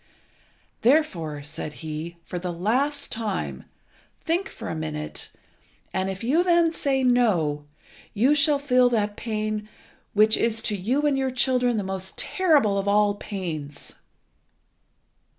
"Therefore," said he, "for the last time, think for a minute, and if you then say 'No,' you shall feel that pain which is to you and your children the most terrible of all pains."